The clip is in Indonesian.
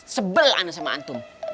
sebel ana sama antum